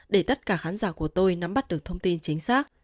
để tất cả khán giả của tôi nắm bắt được thông tin chính xác